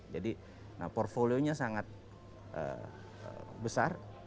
jadi nah portfolio nya sangat besar